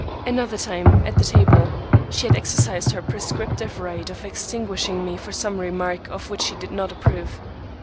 Another time, at the table, she had exercised her prescriptive right of extinguishing me for some remark of which she did not approve.